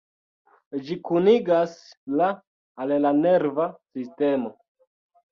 Ĝi kunigas la al la nerva sistemo.